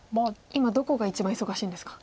今どこが一番忙しいんですか。